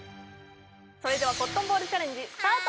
それではコットンボールチャレンジスタート！